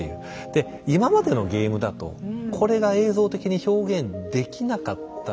で今までのゲームだとこれが映像的に表現できなかったんですよね。